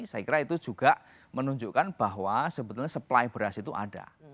saya kira itu juga menunjukkan bahwa sebetulnya supply beras itu ada